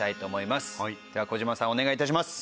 では児嶋さんお願い致します。